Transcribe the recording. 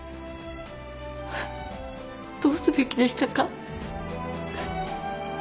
どうすべきでしたか？